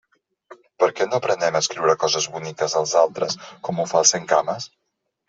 Per què no aprenem a escriure coses boniques als altres, com ho fa el centcames?